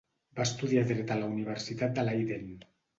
Va estudiar Dret a la Universitat de Leiden.